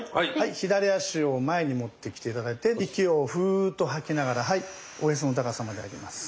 左足を前に持ってきて頂いて息をフーッと吐きながらおへその高さまで上げます。